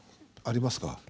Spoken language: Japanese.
ありますか？